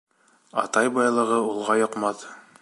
Атай байлығы улға йоҡмаҫ.